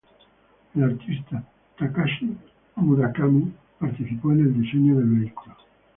El Artista Takashi Murakami participó en el diseño del vehículo.